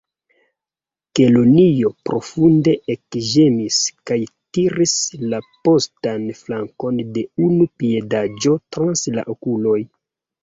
Kelonio profunde ekĝemis, kaj tiris la postan flankon de unu piedaĵo trans la okuloj.